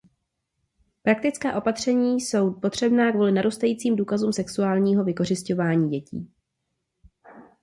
Praktická opatření jsou potřebná kvůli narůstajícím důkazům sexuálního vykořisťování dětí.